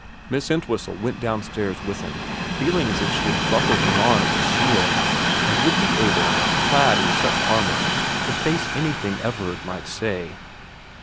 Miss Entwhistle went downstairs with him feeling as if she had buckled him on as a shield, and would be able, clad in such armour, to face anything Everard might say.